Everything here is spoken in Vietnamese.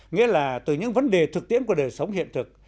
nghĩa là từ những vấn đề thực tiễn của đời sống hiện thực